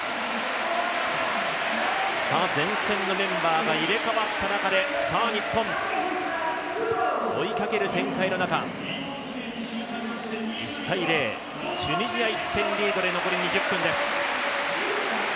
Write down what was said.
前線のメンバーが入れ代わった中で日本、追いかける展開の中、１−０、チュニジア、１点リードで残り２０分です。